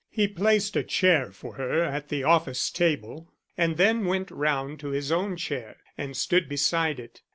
He placed a chair for her at the office table and then went round to his own chair and stood beside it.